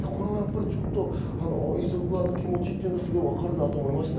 遺族側の気持ちはすごくわかるなと思いますね。